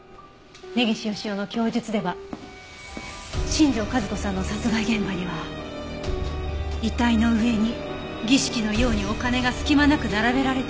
根岸義雄の供述では新庄和子さんの殺害現場には遺体の上に儀式のようにお金が隙間なく並べられていた。